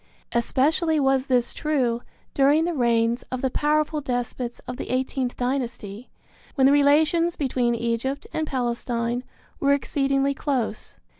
Especially was this true during the reigns of the powerful despots of the eighteenth dynasty, when the relations between Egypt and Palestine were exceedingly close.